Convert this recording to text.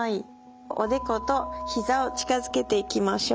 おでことひざを近づけていきましょう。